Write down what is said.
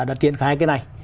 đã triển khai cái này